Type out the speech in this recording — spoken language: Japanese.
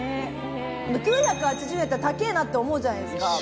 ９８０円って高いなって思うじゃないですか。